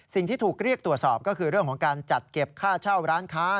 สิ่งที่ถูกเรียกตรวจสอบก็คือเรื่องของการจัดเก็บค่าเช่าร้านค้า